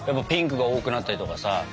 ピンクが多くなったりとかさ。